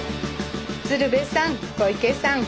鶴瓶さん小池さん